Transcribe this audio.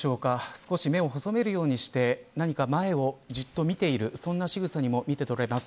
少し目を細めるようにして前をじっと見ているそんなしぐさにも見て取れます。